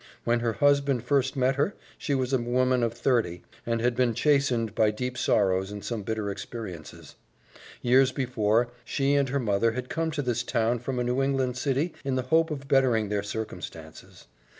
When her husband first met her, she was a woman of thirty, and had been chastened by deep sorrows and some bitter experiences. Years before, she and her mother had come to this town from a New England city in the hope of bettering their circumstances.